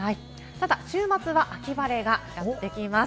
ただ週末は秋晴れがやってきます。